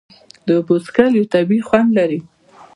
د اوبو څښل یو طبیعي خوند لري.